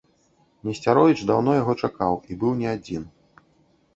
Несцяровіч даўно яго чакаў і быў не адзін.